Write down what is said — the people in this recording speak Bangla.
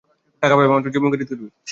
টাকা পাইবামাত্রই জমি খরিদ করিবে।